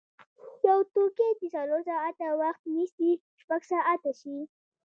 یو توکی چې څلور ساعته وخت نیسي شپږ ساعته شي.